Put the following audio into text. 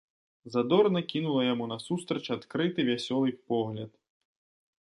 Задорна кінула яму насустрач адкрыты вясёлы погляд.